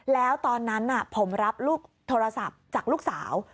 แล้วตอนนั้นผมรับลูกโทรศัพท์จากลูกสาว